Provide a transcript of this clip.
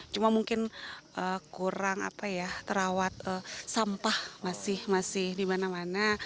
cuma mungkin kurang terawat sampah masih di mana mana